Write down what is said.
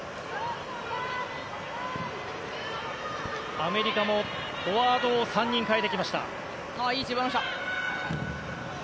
アメリカもフォワードを３人代えてきました。